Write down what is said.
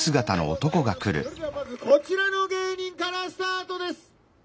「それではまずこちらの芸人からスタートです！」。